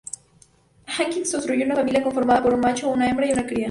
Hawkins construyó una familia conformada por un macho, una hembra y una cría.